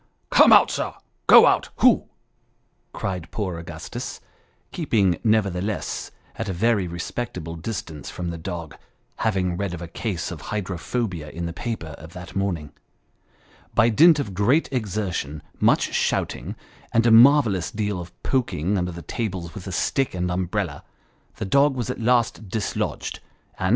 " Come out, sir ! go out, hoo !" cried poor Augustus, keeping nevertheless, at a very respectful distance from the dog ; having read of a case of hydrophobia in the paper of that morning. By dint of great exertion, much shouting, and a marvellous deal of poking under the tables with a stick and umbrella, the dog was at last dislodged, and Mr. Minns invited to Mr. Sudden's.